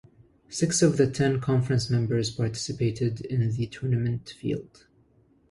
Six of the ten conference members participated in the tournament field.